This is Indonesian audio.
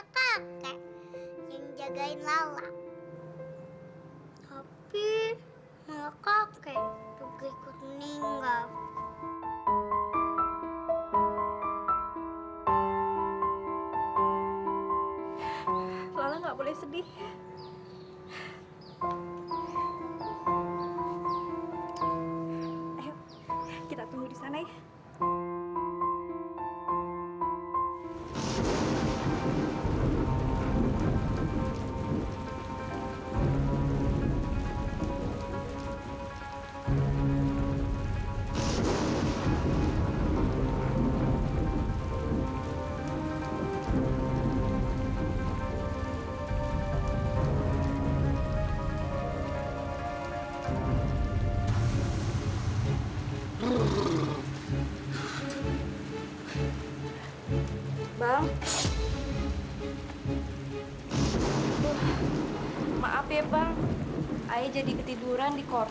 tapi kata kakek lala nggak boleh sedih karena ayah menikah